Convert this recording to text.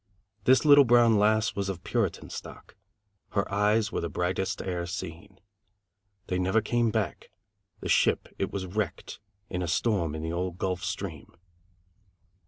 This little brown lass Was of Puritan stock. Her eyes were the brightest e'er seen. They never came back; The ship it was wrecked In a storm in the old Gulf Stream.